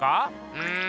うん。